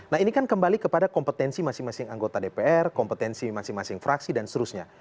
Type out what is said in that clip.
nah ini kan kembali kepada kompetensi masing masing anggota dpr kompetensi masing masing fraksi dan seterusnya